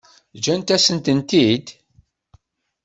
Ǧǧant-asent-ten-id?